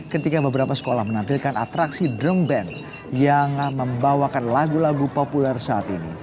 ketika beberapa sekolah menampilkan atraksi drum band yang membawakan lagu lagu populer saat ini